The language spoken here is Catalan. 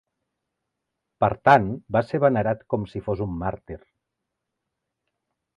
Per tant, va ser venerat com si fos un màrtir.